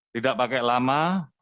tidak pakai lama